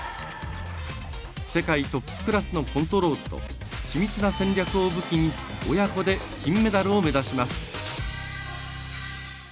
世界トップクラスのコントロールと緻密な戦略を武器に親子で金メダルを目指します。